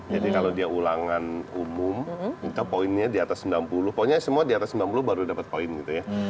jadi kalau dia ulangan umum kita poinnya di atas sembilan puluh poinnya semua di atas sembilan puluh baru dapat poin gitu ya